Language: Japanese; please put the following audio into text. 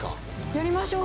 やりましょう。